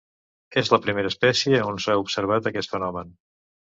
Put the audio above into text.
És la primera espècie on s'ha observat aquest fenomen.